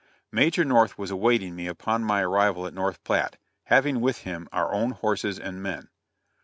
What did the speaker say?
Major North was awaiting me, upon my arrival at North Platte, having with him our own horses and men.